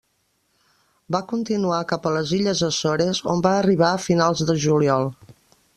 Va continuar cap a les Illes Açores, on va arribar a finals de juliol.